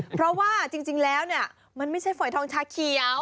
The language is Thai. เพราะว่าจริงแล้วเนี่ยมันไม่ใช่ฝอยทองชาเขียว